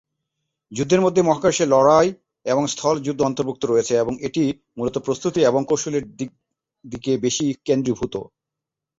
যুদ্ধের মধ্যে মহাকাশে লড়াই এবং স্থল যুদ্ধ অন্তর্ভুক্ত রয়েছে এবং এটি মুলত প্রস্তুতি এবং কৌশলের দিকে বেশি কেন্দ্রীভূত।